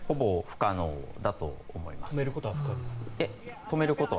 止めることは不可能？